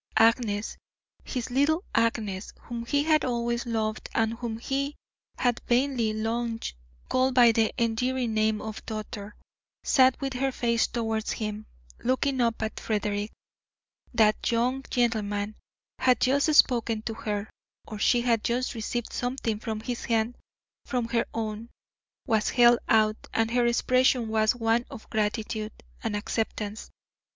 Agnes, his little Agnes, whom he had always loved and whom he had vainly longed to call by the endearing name of daughter, sat with her face towards him, looking up at Frederick. That young gentleman had just spoken to her, or she had just received something from his hand for her own was held out and her expression was one of gratitude and acceptance.